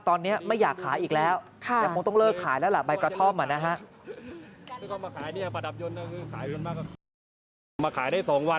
ตอนนี้ไม่อยากขายอีกแล้วแต่คงต้องเลิกขายแล้วล่ะ